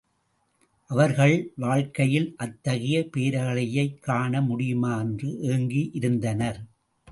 அவர்கள் வாழ்க்கையில் அத்தகைய பேரழகியைக் காண முடியுமா என்று ஏங்கி இருந்தனர்.